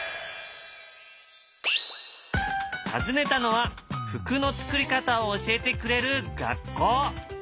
訪ねたのは服の作り方を教えてくれる学校。